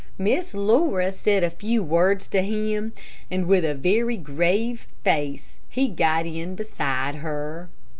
Miss Laura said a few words to him, and with a very grave face he got in beside her.